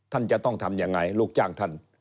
ท่านจะต้องทำยังไงลูกจ้างท่าน